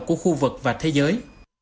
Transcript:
của khu vực và thế giới